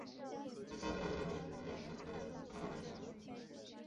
它们以生长在海底松散岩石和死珊瑚上的藻类及其他海洋植物为食。